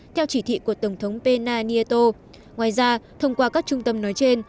theo chỉ thị của tổng thống pena nieto ngoài ra thông qua các trung tâm nói trên